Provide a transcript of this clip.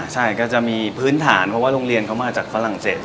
ใช่ก็จะมีพื้นฐานเพราะว่าโรงเรียนเขามาจากฝรั่งเศส